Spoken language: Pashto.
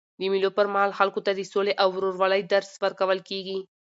د مېلو پر مهال خلکو ته د سولي او ورورولۍ درس ورکول کېږي.